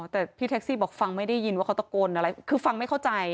แต่พี่แท็กซี่บอกฟังไม่ได้ยินว่าเขาตะโกนอะไรคือฟังไม่เข้าใจ